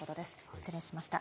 失礼いたしました。